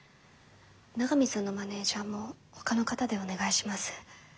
長見さんのマネージャーもほかの方でお願いします。